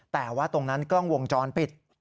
แต่ว่าตรงนั้นกล้องวงจรปิด